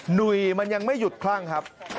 หนุ่ยมันยังไม่หยุดคลั่งครับ